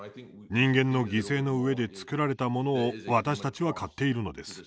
人間の犠牲のうえで作られたものを私たちは買っているのです。